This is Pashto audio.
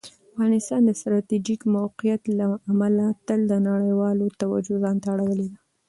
افغانستان د ستراتیژیک موقعیت له امله تل د نړیوالو توجه ځان ته اړولي ده.